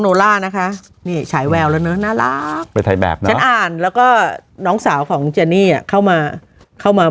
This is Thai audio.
โนร่านะคะนี่ฉายแววแล้วน่าละนะอ่านแล้วก็น้องสาวของเจมส์นี่อ่ะเข้ามาเข้ามา